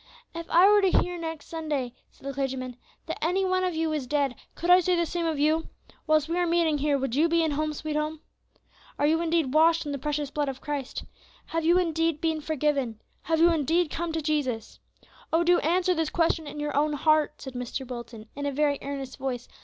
"If I were to hear next Sunday," said the clergyman, "that any one of you was dead, could I say the same of you? Whilst we are meeting here, would you be in 'Home, sweet Home'? Are you indeed washed in the precious blood of Christ? Have you indeed been forgiven? Have you indeed come to Jesus? "Oh! do answer this question in your own heart," said Mr. Wilton, in a very earnest voice.